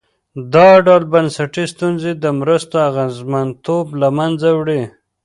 دا ډول بنسټي ستونزې د مرستو اغېزمنتوب له منځه وړي.